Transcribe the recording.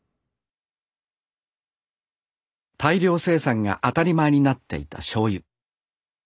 大量生産が当たり前になっていたしょうゆ。